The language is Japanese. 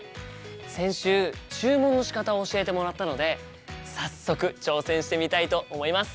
先週注文のしかたを教えてもらったので早速挑戦してみたいと思います。